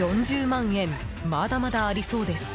４０万円、まだまだありそうです。